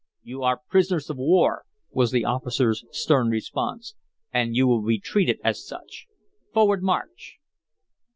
"You are prisoners of war," was the officer's stern response, "and you will be treated as such. Forward, march!"